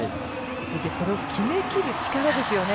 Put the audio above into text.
これを決めきる力ですよね。